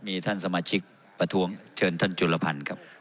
มีท่านสมาชิกประท้วงเชิญท่านจุลพันธ์ครับ